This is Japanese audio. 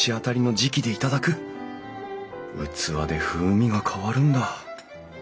器で風味が変わるんだ。